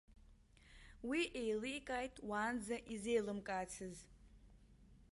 Уи еиликааит уаанӡа изеилымкаацыз.